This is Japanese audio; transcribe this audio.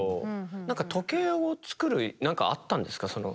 何か時計をつくる何かあったんですか？